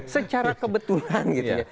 secara kebetulan gitu ya